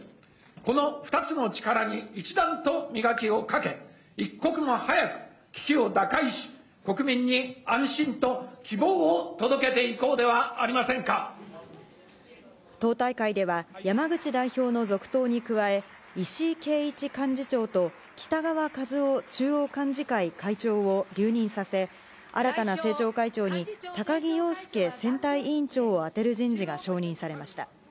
この２つの力に一段と磨きをかけ、一刻も早く危機を打開し、国民に安心と希望を届けていこうではあ党大会では、山口代表の続投に加え、石井啓一幹事長と、北側一雄中央幹事会会長を留任させ、新たな政調会長に、高木陽介選対委員長を充てる人事が承認されました。